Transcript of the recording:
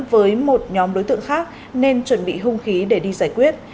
với một nhóm đối tượng khác nên chuẩn bị hung khí để đi giải quyết